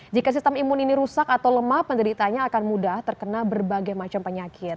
jika sistem imun ini rusak atau lemah penderitanya akan mudah terkena berbagai macam penyakit